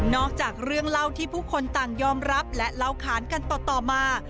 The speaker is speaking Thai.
อกจากเรื่องเล่าที่ผู้คนต่างยอมรับและเล่าขานกันต่อมา